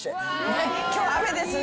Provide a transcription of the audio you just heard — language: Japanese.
今日雨ですね